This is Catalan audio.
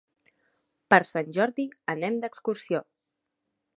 Per Sant Jordi anem d'excursió.